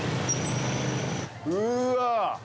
うわ！